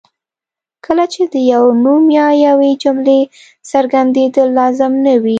کله چې د یو نوم یا یوې جملې څرګندېدل لازم نه وي.